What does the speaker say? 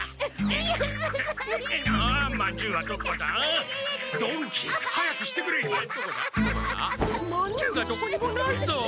まんじゅうがどこにもないぞ！